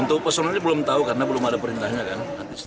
untuk personelnya belum tahu karena belum ada perintahnya kan